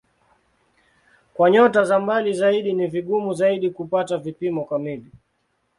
Kwa nyota za mbali zaidi ni vigumu zaidi kupata vipimo kamili.